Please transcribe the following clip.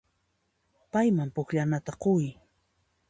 Payman pukllananta quy.